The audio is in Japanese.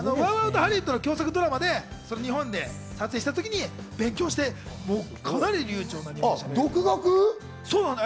ＷＯＷＯＷとハリウッドの共作ドラマで日本で撮影したときに勉強してかなり流暢な日本語です。